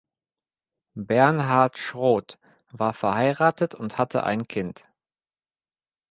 Bernhard Schroth war verheiratet und hatte ein Kind.